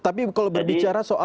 tapi kalau berbicara